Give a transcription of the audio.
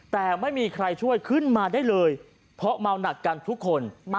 แต่ไม่มีใครช่วยขึ้นมาได้เลยเพราะเมาหนักกันทุกคน